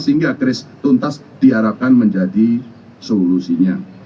sehingga kris tuntas diarahkan menjadi solusinya